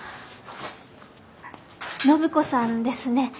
暢子さんですね？